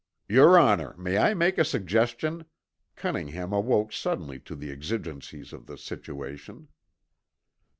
"Your honor, may I make a suggestion?" Cunningham awoke suddenly to the exigencies of the situation.